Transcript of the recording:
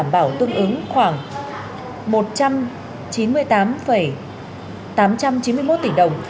bảo tương ứng khoảng một trăm chín mươi tám tám trăm chín mươi một tỷ đồng